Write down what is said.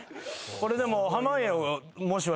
これでも。